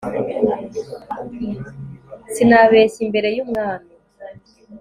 Sinabeshya imbere yUmwami